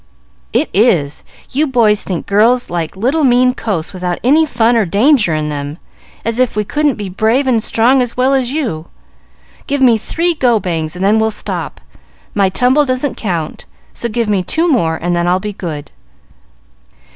"It is. You boys think girls like little mean coasts without any fun or danger in them, as if we couldn't be brave and strong as well as you. Give me three go bangs and then we'll stop. My tumble doesn't count, so give me two more and then I'll be good."